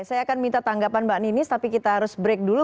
saya akan minta tanggapan mbak ninis tapi kita harus break dulu